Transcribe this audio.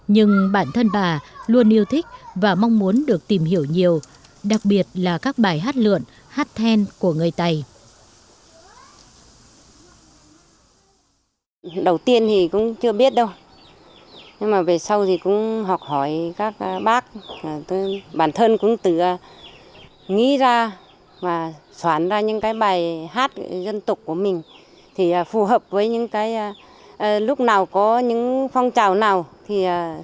nhưng bản thân bà luôn yêu thích và mong muốn được tìm hiểu nhiều đặc biệt là các bài hát lượn hát then của người tày